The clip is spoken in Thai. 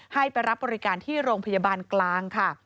ให้ไปรับบริการที่โรงพยาบาลกลางค่ะ